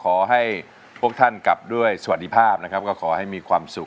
ขอให้พวกท่านกลับด้วยสวัสดีภาพนะครับก็ขอให้มีความสุข